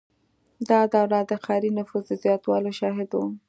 • دا دوره د ښاري نفوس د زیاتوالي شاهده وه.